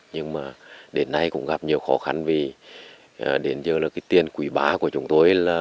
nhưng mà đến nay cũng gặp nhiều khó khăn vì đến giờ tiền quỷ bá của chúng tôi